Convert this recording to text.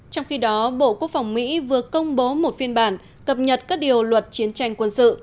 trong khi đó bộ quốc phòng mỹ vừa công bố một phiên bản cập nhật các điều luật chiến tranh quân sự